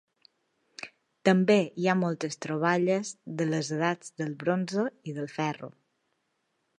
També hi ha moltes troballes de les edats del bronze i del ferro.